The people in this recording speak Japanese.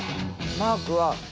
マークはえ？